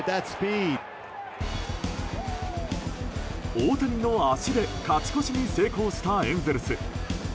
大谷の足で勝ち越しに成功したエンゼルス。